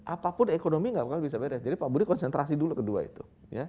apapun ekonomi nggak akan bisa beres jadi pak budi konsentrasi dulu kedua itu